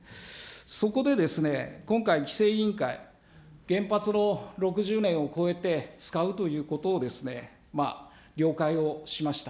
そこで今回、規制委員会、原発を６０年を超えて、使うということをですね、了解をしました。